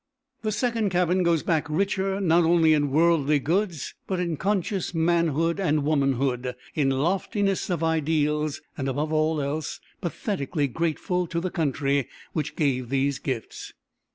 The second cabin goes back richer not only in worldly goods but in conscious manhood and womanhood, in loftiness of ideals and above all else, pathetically grateful to the country which gave these gifts.